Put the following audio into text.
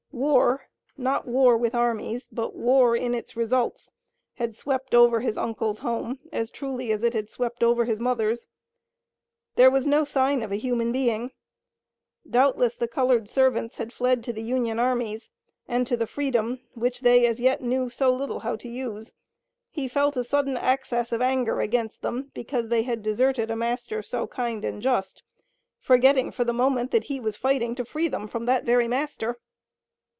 War, not war with armies, but war in its results, had swept over his uncle's home as truly as it had swept over his mother's. There was no sign of a human being. Doubtless the colored servants had fled to the Union armies, and to the freedom which they as yet knew so little how to use. He felt a sudden access of anger against them, because they had deserted a master so kind and just, forgetting, for the moment that he was fighting to free them from that very master.